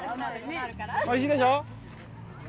おいしいでしょう？